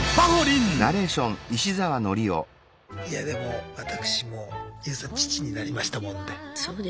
いやでも私もＹＯＵさん父になりましたもんで。